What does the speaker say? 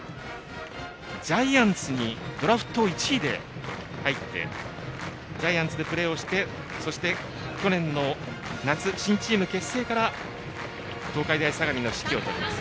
ジャイアンツにドラフト１位で入ってジャイアンツでプレーをしてそして、去年の夏新チーム結成から東海大相模の指揮を執ります。